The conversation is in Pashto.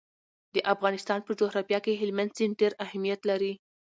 د افغانستان په جغرافیه کې هلمند سیند ډېر اهمیت لري.